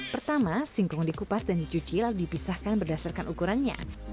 pertama singkong dikupas dan dicuci lalu dipisahkan berdasarkan ukurannya